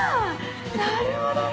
なるほどね。